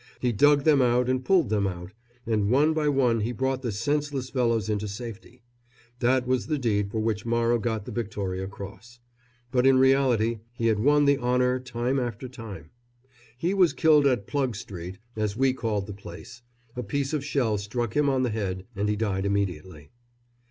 He dug them out and pulled them out, and one by one he brought the senseless fellows into safety. That was the deed for which Morrow got the Victoria Cross; but in reality he had won the honour time after time. He was killed at "Plug Street," as we called the place. A piece of shell struck him on the head and he died immediately.